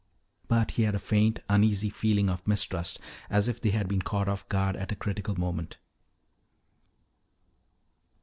But he had a faint, uneasy feeling of mistrust, as if they had been caught off guard at a critical moment.